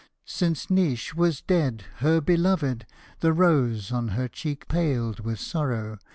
Since Naois was dead, her beloved, the rose on her cheek paled with sorrow.